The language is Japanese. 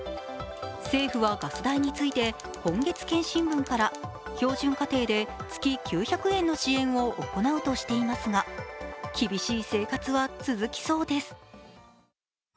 政府はガス代について、今月検針分から標準家庭で月９００円の支援を行うとしていますが厳しい生活は続きそうです。